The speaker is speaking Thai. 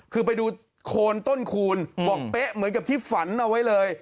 คือไปดูโคนต้นคูณบอกเป๊ะเหมือนกับที่ฝันเอาไว้เลย